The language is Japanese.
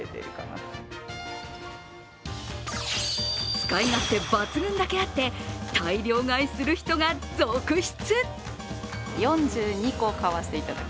使い勝手抜群だけあって、大量買いする人が続出。